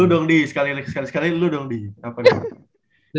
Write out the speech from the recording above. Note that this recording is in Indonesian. dong di sekali sekali dulu dong di apa nih